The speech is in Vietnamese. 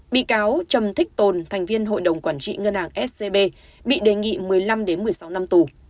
bị cáo trầm thích tồn thành viên hội đồng quản trị ngân hàng scb bị đề nghị một mươi năm một mươi sáu năm tù